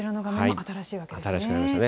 新しくなりましたね。